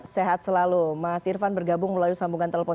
sehat selalu mas irvan bergabung melalui sambungan telepon